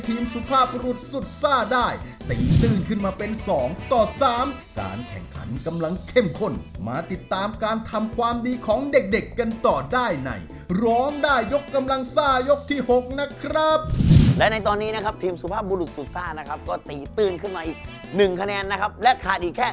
พี่ฝนรู้สึกสะใจทุกครั้งที่วินนี่แบบประชาก